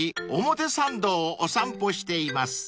表参道をお散歩しています］